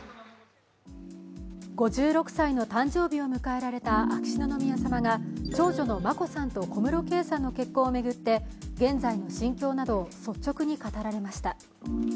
５６歳の誕生日を迎えられた秋篠宮さまが、長女の眞子さんと小室圭さんの結婚を巡って、現在の心境などを率直に語られました。